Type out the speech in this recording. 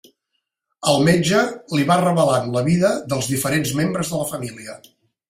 El metge li va revelant la vida dels diferents membres de la família.